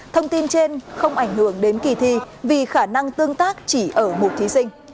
thông tin trên không ảnh hưởng đến kỳ thi vì khả năng tương tác chỉ ở một thí sinh